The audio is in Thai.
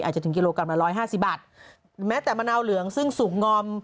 อาจจะถึงกิโลกรัมละ๑๕๐บาทแม้แต่มะนาวเหลืองซึ่งสูงงอม